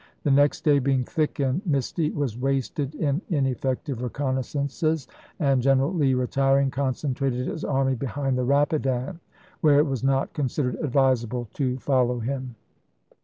The next day, being thick and misty, was wasted in ineffective reconnais sances, and General Lee, retiring, concentrated his army behind the Rapidan, where it was not considered advisable to follow him.